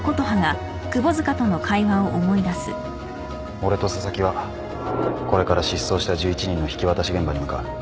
・俺と紗崎はこれから失踪した１１人の引き渡し現場に向かう